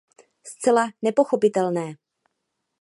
Zcela nepochopitelné!